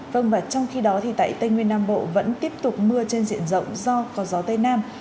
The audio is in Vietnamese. vâng và trong khi đó thì tại tây nguyên nam bộ vẫn tiếp tục mưa trên diện rộng do có gió tây nam